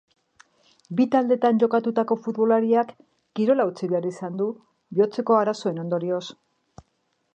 Bi taldeetan jokatutako futbolariak kirola utzi behar izan du bihotzeko arazoen ondorioz.